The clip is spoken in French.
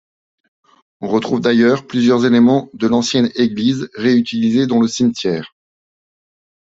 On retrouve d’ailleurs plusieurs éléments de l’ancienne église, réutilisés dans le cimetière.